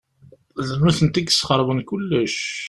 D nutenti i yesxeṛben kullec.